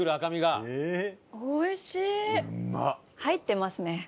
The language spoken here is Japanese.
入ってますね。